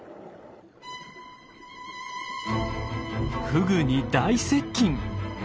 フグに大接近。